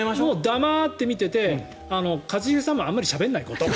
黙って見てて一茂さんもあんまりしゃべんないこと。